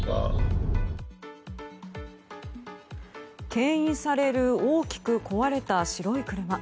牽引される大きく壊れた白い車。